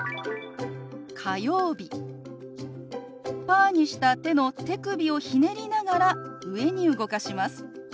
パーにした手の手首をひねりながら上に動かします。